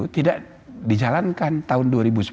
tidak dijalankan tahun dua ribu sepuluh